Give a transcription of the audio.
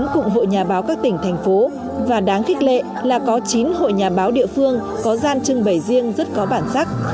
bốn cụm hội nhà báo các tỉnh thành phố và đáng khích lệ là có chín hội nhà báo địa phương có gian trưng bày riêng rất có bản sắc